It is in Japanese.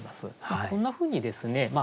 こんなふうにですね